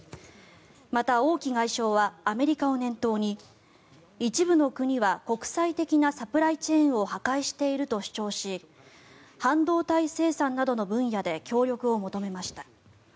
また王毅外相はアメリカを念頭に一部の国は国際的なサプライチェーンを破壊していると主張し半導体生産などの分野で協力を求めました。